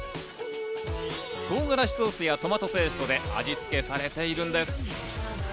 唐辛子ソースやトマトペーストで味付けされているんです。